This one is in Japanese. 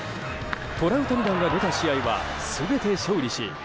トラウタニ弾が出た試合は全て勝利し